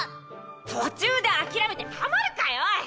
途中で諦めてたまるかよ！